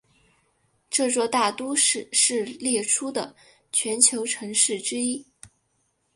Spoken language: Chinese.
这座大都市是列出的全球城市之一。